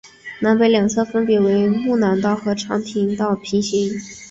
南北两侧分别与睦南道和常德道平行。